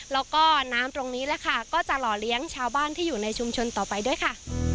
แล้วก็น้ำตรงนี้แหละค่ะก็จะหล่อเลี้ยงชาวบ้านที่อยู่ในชุมชนต่อไปด้วยค่ะ